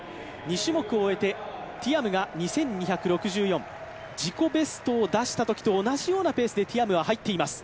２種目を終えてティアムが２２６４、自己ベストを出したときと同じようなペースでティアムは入っています。